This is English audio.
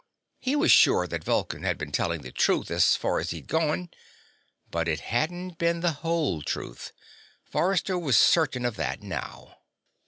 He was sure that Vulcan had been telling the truth as far as he'd gone but it hadn't been the whole truth. Forrester was certain of that now.